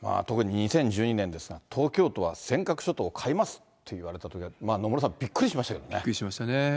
特に２０１２年ですか、東京都は尖閣諸島買いますって言われたときは、野村さん、びっくりしましたね。